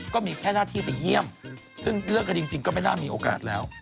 ก็มีแค่หน้าที่ไปเยี่ยมซึ่งมีนานมีโอกาสแล้ว